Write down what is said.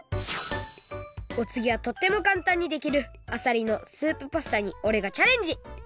おつぎはとってもかんたんにできるあさりのスープパスタにおれがチャレンジ！